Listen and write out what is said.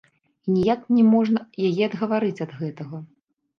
І ніяк не можна яе адгаварыць ад гэтага.